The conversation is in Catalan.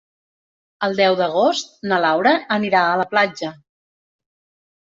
El deu d'agost na Laura anirà a la platja.